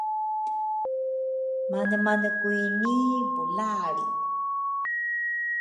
Manemane kwini bulalri?